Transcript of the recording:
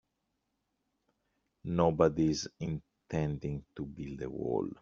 Nobody's intending to build a wall.